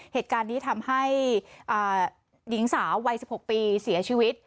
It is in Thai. เหตุการณ์นี้ทำให้หญิงสาววัย๑๖ปีเสียชีวิต